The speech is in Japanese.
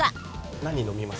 何飲みます？